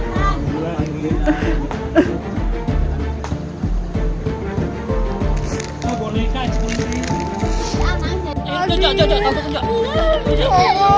ya allah bapak itu masih ada apa